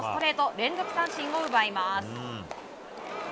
連続三振を奪います。